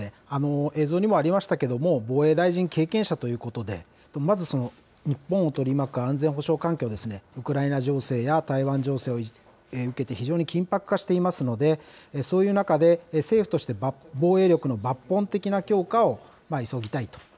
映像にもありましたけれども、防衛大臣経験者ということで、まず日本を取り巻く安全保障環境を、ウクライナ情勢や台湾情勢を受けて非常に緊迫化していますので、そういう中で政府として防衛力の抜本的な強化を急ぎたいと。